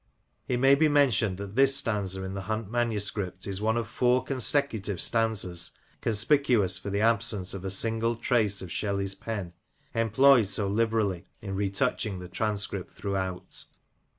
It may be mentioned that this stanza in the Hunt manuscript is one of four consecutive stanzas, conspicuous for the absence of a single trace of Shelley's pen, employed so liberally in retouching the transcript throughout.